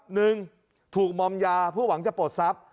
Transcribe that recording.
หนึ่งถูกมอมยาเพื่อหวังจะปลดทรัพย์